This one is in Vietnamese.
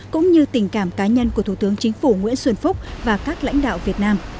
cũng như tình cảm cá nhân của thủ tướng chính phủ nguyễn xuân phúc và các lãnh đạo việt nam